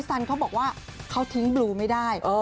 สันเขาบอกว่าเขาทิ้งบลูไม่ได้